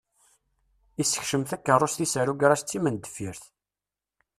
Isekcem takeṛṛust-is ar ugaṛaj d timendeffirt.